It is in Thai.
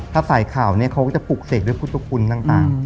ถ้าสายข่าวเนี่ยเขาก็จะปลูกเสกด้วยพุทธคุณต่าง